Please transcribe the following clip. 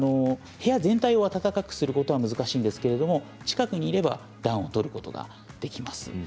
部屋全体を暖かくすることは難しいんですが近くにいれば暖を取ることができます。